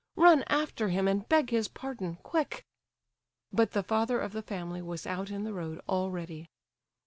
Run after him and beg his pardon—quick." But the father of the family was out in the road already.